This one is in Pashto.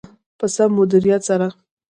په سم مدیریت سره.